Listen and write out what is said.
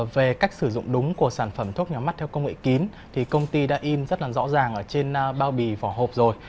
về cách sử dụng đúng của sản phẩm thuốc nhắm mắt theo công nghệ kín thì công ty đã in rất là rõ ràng ở trên bao bì vỏ hộp rồi